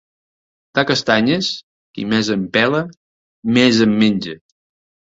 De castanyes, qui més en pela més en menja.